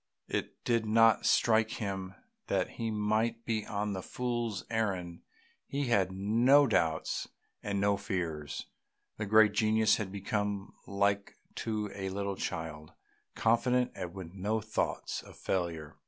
It did not strike him that he might be on a fool's errand, he had no doubts and no fears; the great genius had become like to a little child, confident and with no thoughts of failure.